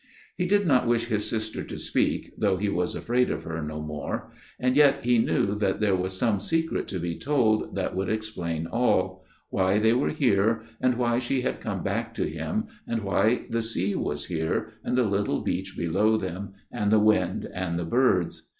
" He did not wish his sister to speak, though he was afraid of her no more ; and yet he knew that there was some secret to be told that would explain all why they were here, and why she had come back to him, and why the sea was here, and the little beach below them, and the wind and the birds.